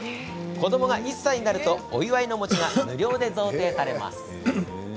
子どもが１歳になるとお祝いの餅が無料で贈呈されます。